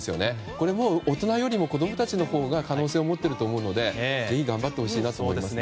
これもう大人よりも子供たちのほうが可能性を持っていると思うのでぜひ頑張ってほしいですね。